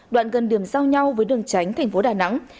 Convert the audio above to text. đoạn gần điểm giao nhau với đường tránh tp đà nẵng